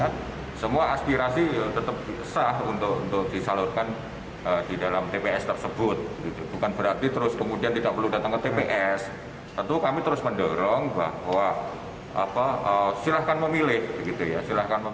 kepulauan riau telah memasuki tahapan pemeriksaan berkas persyaratan pencalonan untuk ditetapkan sebagai calon tetap pada dua puluh tiga september nanti